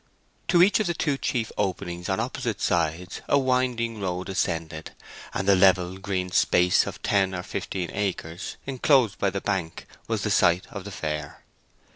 To each of the two chief openings on opposite sides a winding road ascended, and the level green space of ten or fifteen acres enclosed by the bank was the site of the fair.